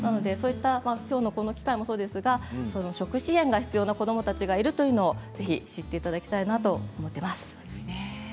きょうの機会もそうですが食事支援が必要な子どもたちがいるということをぜひ知ってもらえたらと思っています。